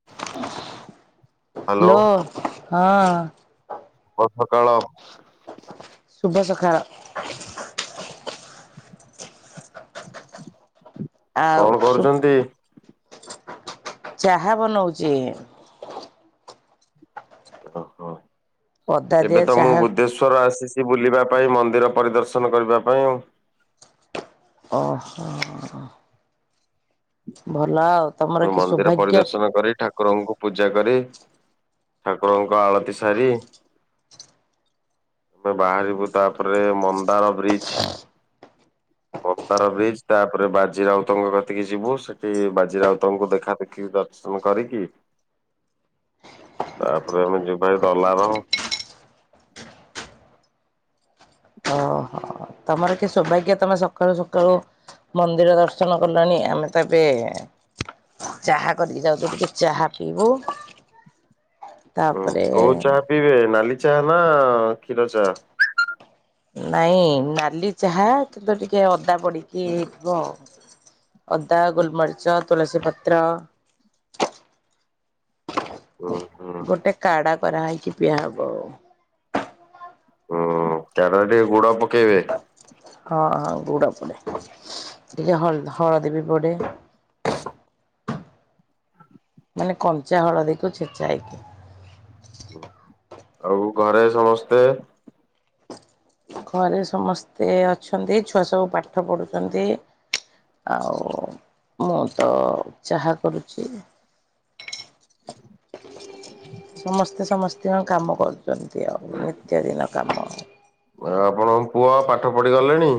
Hello hello ହଁ। [inaudible] ଶୁଭ ସଖାଳ। ଆଉ କଣ ସୁ କରୁଛନ୍ତି? ଚାହା ବନଉଛି। ଓହୋ ଅଦା ଏବେ ଦିଆ ତ ମୁଁ ଚାହା ବୁଦ୍ଧେଶ୍ଵର ଆସିଛି। ବୁଲିବା ପାଇଁ ମନ୍ଦିର ପରିଦର୍ଶନ କରିବା ପାଇଁ ଆଉ। ଓହୋ ଭଲ ଆଉ। ତମର ଯୋଉ କି ମନ୍ଦିର ସୌଭାଗ୍ୟ ପରିଦର୍ଶନ କରି ଠା ଠାକୁରଙ୍କୁ ପୂଜା କରି ଠାକୁରଙ୍କ ଆଳତି ସାରି ଆମେ ବାହାରିବୁ ତାପରେ ମନ୍ଦାର ବ୍ରିଜ। ବନ୍ଦାର ବ୍ରିଜ ତାପରେ ବାଜି ରାଉତଙ୍କ କତିକି ଯିବୁ ସେଠି ବାଜି ରାଉତ ତମକୁ ଦେଖା ଦେଖି ଦର୍ଶନ କରିକି ତାପରେ ଆମେ ଯିବା ଭାଇ ଦଲାର। ଓହୋ। ତମର କି ସୌଭାଗ୍ୟ ତମେ ସକାଳୁ ସକାଳୁ ମନ୍ଦିର ଦର୍ଶନ କଲାଣି ଆମେ ତ ଏବେ ଚାହା କରିକି ଯାଉଛୁ ଟିକେ ଚାହା ପିଇବୁ। ତାପରେ କୋଉ ଚାହା ପିଇବେ ନାଲି ଚାହା ନା କ୍ଷୀର ଚାହା। ନାଇଁ ନାଲି ଚାହା କିନ୍ତୁ ଟିକେ ଅଦା ପଡ଼ିକି ହେଇଥିବ ଆଉ। ଅଦା ଗୋଲମରିର୍ଚ ତୁଳସୀ ପତ୍ର। ହୁଁ ହୁଁ ଗୋଟେ କାଡା କରାହେଇକି ପିଆହବ ଆଉ। ହୁଁ କ୍ୟାରଟ ଗୁଡ ପକେଇବେ। ହଁ ହଁ ଗୁଡ ପଡେ ଟିକେ ହଳ ହଳଦୀ ବି ପଡେ। ହ ମାନେ କଞ୍ଚା ହଳଦୀକୁ ଛେଚାଇକି। ଆଉ ଘରେ ସମସ୍ତେ? ଘରେ ସମସ୍ତେ ଅଛନ୍ତି ଛୁଆ ସବୁ ପାଠ ପଢୁଛନ୍ତି। ଆଉ ମୁଁ ତ ଚାହା କରୁଛି। ସମସ୍ତେ ସମସ୍ତିଙ୍କ କାମ କରୁଛନ୍ତି ଆଉ ନିତ୍ୟ ଦିନ କାମ। ଆଉ ଆପଣଙ୍କ ପୁଅ ପାଠ ପଢି ଗଲେଣି?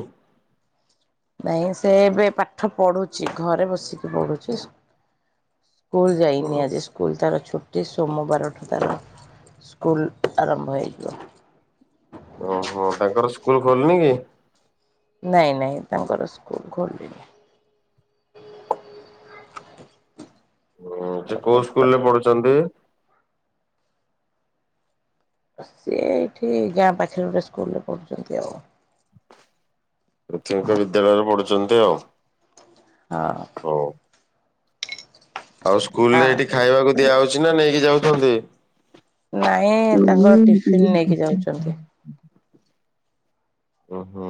ନାଇଁ ସେ ଏବେ ପାଠ ପଢୁଛି ଘରେ ବସିକି ପଢୁଛି। ସ୍କୁଲ ଯାଇନି ଆଜି। ସ୍କୁଲ ତାର ଛୁଟି ସୋମବାରଠୁ ତାର ସ୍କୁଲ୍ ଆରମ୍ଭ ହୋଇଯିବ। ଓହୋ ତାଙ୍କର ସ୍କୁଲ ଖୋଲିନି କି? ନାଇଁ ନାଇଁ ତାଙ୍କର ସ୍କୁଲ ଖୋଲିନି। ହୁଁ ସେ କୋଉ ସ୍କୁଲ ରେ ପଢୁଛନ୍ତି? ସେ ଏଇଠି ଗାଁ ପାଖରେ ଗୋଟେ ସ୍କୁଲରେ ପଢ଼ୁଛନ୍ତି ଆଉ। ପ୍ରାଥମିକ ବିଦ୍ୟାଳୟରେ ପଢୁଛନ୍ତି ଆଉ। ହଁ। ହଉ ଆଉ ସ୍କୁଲ ରେ ହଁ ଏଇଠି ଖାଇବାକୁ ଦିଆହଉଛି ନା ନେଇକି ଯାଉଛନ୍ତି? ନାଇଁ ତାଙ୍କର ଟିଫିନ ନେଇକି ଯାଉଛନ୍ତି। [unintelligible] ଓହୋ।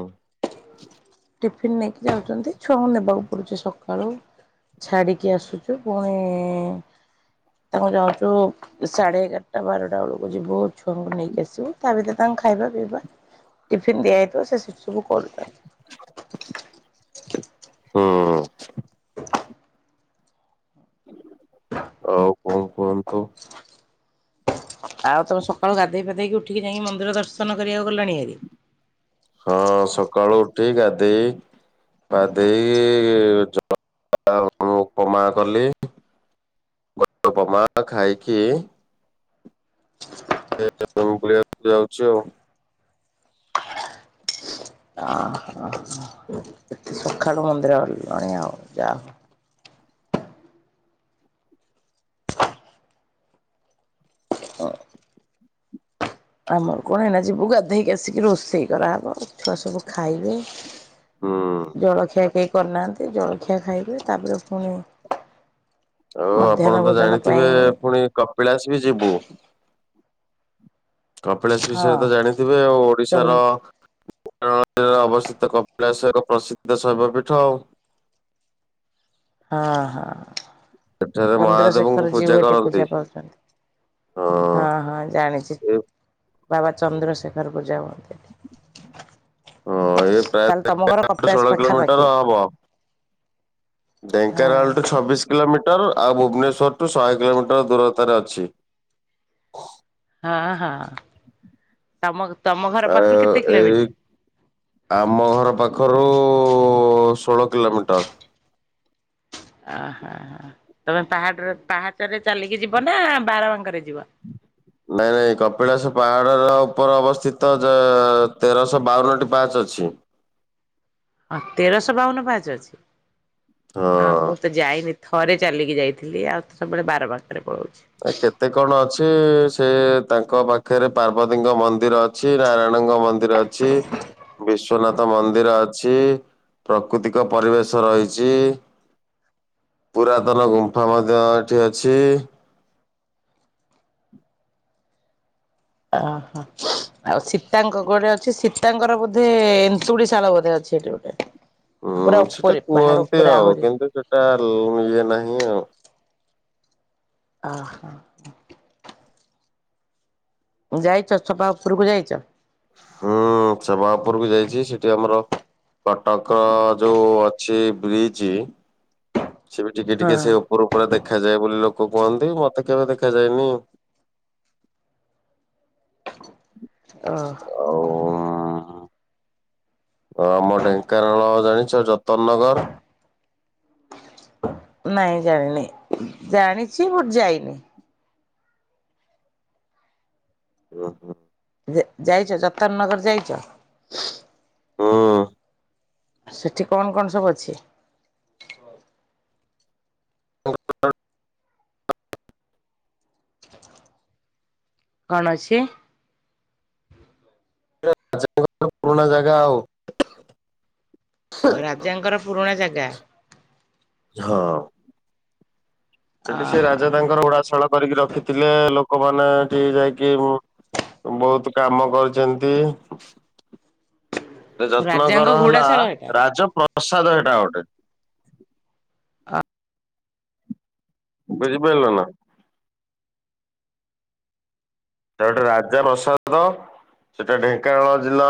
ଟିଫିିନ ନେଇକି ଯାଉଛନ୍ତି ଛୁଆଙ୍କୁ ନେବାକୁ ପଡୁଛି ସକାଳୁ। ଛାଡିକି ଆସୁଛୁ ପୁଣି ତାଙ୍କୁ ଯାଉଚୁ। ସାଢେ ଏଗାରଟା ବାରଟା ବେଳକୁ ଯିବୁ ଛୁଆଙ୍କୁ ନେଇକି ଆସିବୁ ତା ଭିତରେ ତାଙ୍କୁ ଖାଇବା ପିଇବା ଟିଫିିନ ଦିଆ ହେଇଥିବ ସେ ସେଠି ସବୁ କରୁଥାନ୍ତି। ହୁଁ। ଆଉ କଣ କୁହନ୍ତୁ। ଆଉ ତମେ ସକାଳୁ ଗାଧେଇ ପାଧେଇକି ଉଠିକି ଯାଇକି ମନ୍ଦିର ଦର୍ଶନ କରିବାକୁ ଗଲାଣି ହାରି? ହଁ ସକାଳୁ ଉଠି ଗାଧେଇ ଗାଧେଇକି ଜ ଉପମା କଲି। ଉପମା ଖଇକି [unintelligible] ଯାଉଛି ଆଉ। ଆ ହାଁ ହାଁ। ସଖାଳୁ ମନ୍ଦିର ଗଲଣି ଆଉ ଯାଅ। ଆମର କଣ ହେନା ଯିବୁ ଗାଧେଇକି ଆସିକି ରୋଷେଇ କରାହେବ ଛୁଆ ସବୁ ଖାଇବେ। ହୁଁ ଜଳଖିଆ କେହି କରିନାହାନ୍ତି ଜଳଖିଆ ଖାଇବେ ତାପରେ ପୁଣି ଆଉ ମଧ୍ୟାହ୍ନ ଆପଣ ତ ଭୋଜନ ଜାଣିଥିବେ ପାଇଁ ପୁଣି କପିଳାସ ବି ଯିବୁ। କପିଳାସ ବିଷୟରେ ହଁ ତ ଜାଣିଥିବେ ଆଉ ଚ ଓଡିଶାର ରେ ଅବସ୍ଥିତ କପିଳାସ ଏକ ପ୍ରସିଦ୍ଧ ଶୈବ ପୀଠ ଆଉ। ହଁ-ହଁ। ସେଠାରେ ମହାଦେବଙ୍କୁ ଚନ୍ଦ୍ରଶେଖର ଜୀଉ ପୂଜା ହେଠି କରନ୍ତି ପୂଜା ପାଉଛନ୍ତି ହଁ ହଁ-ହଁ ଜାଣିଛି। ଏ ବାବା ଚନ୍ଦ୍ରଶେଖର ପୂଜା ହୁଏ। ହଁ ଏ ପ୍ରାୟ ତାହେଲେ ତମ ଘର [unintelligible] କପିଳାସ ଷୋଳ ପାଖାପାଖି କିଲୋମିଟର ହବ। ହଁ ଢେଙ୍କାନାଳଠୁ ଛବିଶ କିଲୋମିଟର ଆଉ ଭୁବନେଶ୍ଵରଠୁ ଶହେ କିଲୋମିଟର ଦୂରତାରେ ଅଛି। ହଁ-ହଁ ତମ-ତମ ଘର ପାଖରୁ ଆଉ କେତେ ଏଇ କିଲୋମିଟର? ଆମ ଘର ପାଖରୁ ଷୋଳ କିଲୋମିଟର। ଓହୋ ତମେ ପାହାଡରେ ପାହାଚରେ ଚାଲିକି ଯିବ ନା ବାର ମାଙ୍କରେ ଯିବ? ନାଇଁ-ନାଇଁ କପିଳାସ ପାହାଡ଼ର ଉପରେ ଅବସ୍ଥିତ ଜ ତେରଶହ ବାଉନଟି ପାହାଚ ଅଛି। ଅ ତେରଶହ ବାଉନ ପାହାଚ ଅଛି। ହଁ। ଆଉ ମୁଁ ତ ଯାଇନି ଥରେ ଚାଲିକି ଯାଇଥିଲି ଆଉ ତ ସବୁବେଳେ ବାର ବାଙ୍କରେ ପଳଉଛି। ଆ କେତେ କଣ ଅଛି ସେ ତାଙ୍କ ପାଖରେ ପାର୍ବତୀଙ୍କ ମନ୍ଦିର ଅଛି ନାରାୟଣଙ୍କ ମନ ଦୀର ଅଛି। ବିଶ୍ଵନାଥ ମନ୍ଦିର ଅଛି ପ୍ରକୃତିକ ପରିବେଶ ରହିଛି। ପୁରାତନ ଗୁମ୍ଫା ମଧ୍ୟ ଏଠି ଅଛି-। ଓହୋ। ଆଉ ସୀତାଙ୍କ ଘର ଅଛି। ସୀତାଙ୍କର ବୋଧେ ଏନ୍ତୁଡି ଶାଳ ବୋଧେ ଅଛି ସେଠି ଗୋଟାଏ। ହୁଁ ସେଟା କୁହନ୍ତି ଆଉ ଆହୁରି କିନ୍ତୁ ସେଟା ଲ୍ ଇଏ ନାହିଁ ଆଉ। ଅ ହ। ଯାଇଚ ଚପା ଉପରକୁ ଯାଇଛ? ହୁଁ ସବା ଉପୁରକୁୁ ଯାଇଛି ସେଠି ଆମର- କଟକ ଯୋଉ ଅଛି ବ୍ରିଜି। ସିଏ ବି ଟିକେ ହଁ ଟିକେ ସେ ଉପୁରୁ ପୁରା ଦେଖାଯାଏ ବୋଲି ଲୋକ କୁହନ୍ତି। ମତେ କେବେ ଦେଖାଯାଏନି। ଅ। ଆଉ ମ୍ ହଁ ଆମ ଢେଙ୍କାନାଳ ଜାଣିଛ ଯତନ୍ ନଗର୍? ନାଇଁ ଜାଣିନି ଜାଣିଛି ବଟ୍ ଯାଇନି। ଉଁ ହୁଁ। ଯା ଯାଇଚ ଯତନ ନଗର ଯାଇଚ? ହୁଁ ସେଠି କଣ କଣ ସବୁ ଅଛି? [unintelligible] କଣ ଅଛି? ଯ [inaudible] ପୁରୁଣା ଜାଗା ଆଉ। ଅ ରାଜାଙ୍କର ପୁରୁଣା ଜାଗା। ହ ସେଠି ସେ ରାଜା ଓହୋ ତାଙ୍କର ଉଡା ସାଳ କରିକି ରଖିଥିଲେ ଲୋକମାନେ ଏଠି ଯାଇକି ଉଁ- ବହୁତ୍ କାମ କରୁଛନ୍ତି। ଯତ୍ନ ରାଜାଙ୍କ କର ହେଲା ଘୋଡାଶାଳ ଏଟା। ରାଜପ୍ରସାଦ ହେଟା ଗୋଟେ। ବୁଝିପାଇଲ ନା? ହେଟା ଗୋଟେ ରାଜ ପ୍ରସାଦ। ସେଟା ଢ଼େଙ୍କାନାଳ ଜିଲ୍ଲା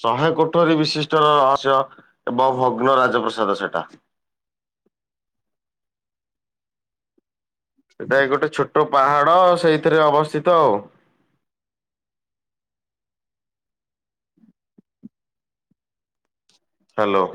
ଶହେ କୋଠରୀ ବିଶିଷ୍ଟ ର ରହସ୍ୟ। ଏବଂ ଭଗ୍ନ ରାଜପ୍ରସାଦ ସେଟା। ସେଟା ଏ ଗୋଟେ ଛୋଟ ପାହାଡ଼ ସେଇଥିରେ ଅବସ୍ଥିତ ଆଉ। ହାଲୋ।